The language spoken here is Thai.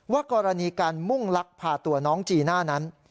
กรณีการมุ่งลักพาตัวน้องจีน่านั้น